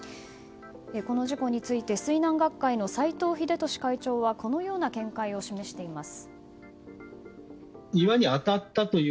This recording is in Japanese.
この事故について水難学会の斎藤秀俊会長はこのような見解を示しています。